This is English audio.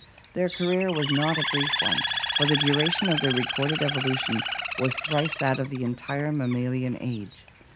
Their career was not a brief one, for the duration of their recorded evolution was thrice that of the entire mammalian age.